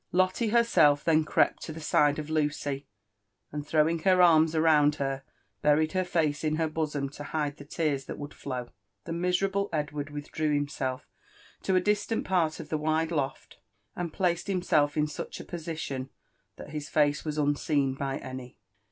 Lotte herself then crept to the side of Lucy, and throwing her arms round her, buried her face in her bosom to hide the tears that would flow. The miserable Edward withdrew hims^f to a distant part of the wide loft, and placed himself in such a position, that his face Was un seen by Any.